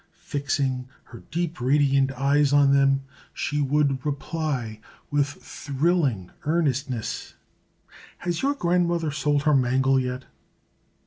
Fixing her deep radiant eyes on them, she would reply with thrilling earnestness, "Has your grandmother sold her mangle yet?"